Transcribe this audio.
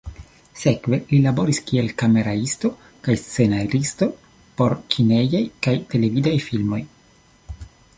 Sekve li laboris kiel kameraisto kaj scenaristo por kinejaj kaj televidaj filmoj.